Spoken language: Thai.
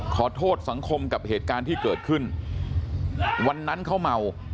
ขอโทษสังคมกับเหตุการณ์ที่เกิดขึ้นวันนั้นเขาเมา